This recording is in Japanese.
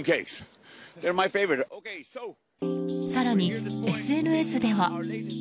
更にＳＮＳでは。